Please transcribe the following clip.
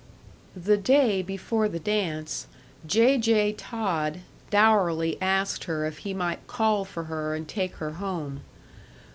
The day before the dance, J. J. Todd dourly asked her if he might call for her and take her home.